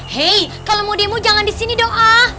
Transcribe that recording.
hei kalau mau demo jangan di sini doang ah